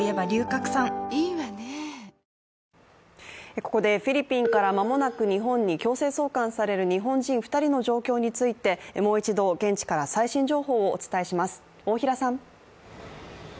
ここでフィリピンから間もなく日本に強制送還される日本人２人の状況について、もう一度、現地から最新情報をお伝えします。